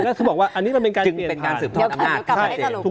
คือเป็นการสืบทอดอำนาจ